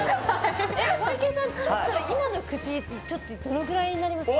小池さん、今の口やるとどれぐらいになります？